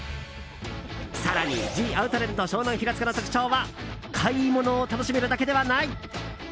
更にジ・アウトレット湘南平塚の特徴は買い物を楽しめるだけではない。